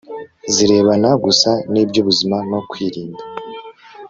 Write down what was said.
zirebana gusa nibyubuzima no kwirinda